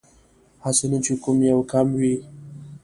هسې نه چې کوم يې کم وي